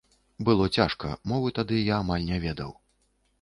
Было цяжка, мовы тады я амаль не ведаў.